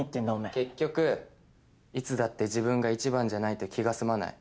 結局いつだって自分が１番じゃないと気が済まない。